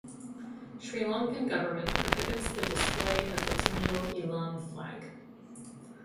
Sri Lankan government prohibits the display of the Tamil Eelam flag.